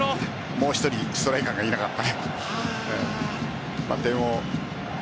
もう一つストライカーがいなかった。